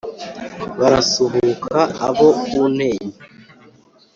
Barasuhuka abo ku Ntenyo